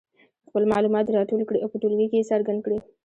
خپل معلومات دې راټول کړي او په ټولګي کې یې څرګند کړي.